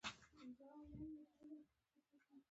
تاسو ته د پیسو د لیږد په اړه لارښوونه کیږي.